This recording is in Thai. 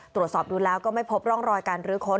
ตรวจสอบดูแล้วก็ไม่พบร่องรอยการรื้อค้น